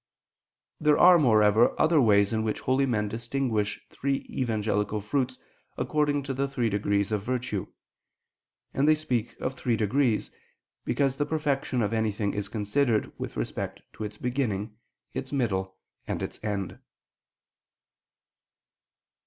There are, moreover, other ways in which holy men distinguish three evangelical fruits according to the three degrees of virtue: and they speak of three degrees, because the perfection of anything is considered with respect to its beginning, its middle, and its end.